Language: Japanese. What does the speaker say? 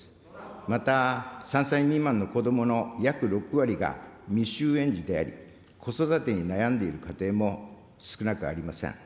また、３歳未満のこどもの約６割が未就園児であり、子育てに悩んでいる家庭も少なくありません。